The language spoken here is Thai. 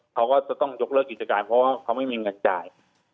เขาก็จะต้องยกเลิกกิจการเพราะว่าเขาไม่มีเงินจ่าย